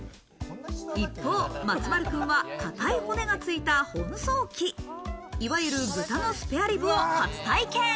一方、松丸君は硬い骨がついた本ソーキ、いわゆる豚のスペアリブを初体験。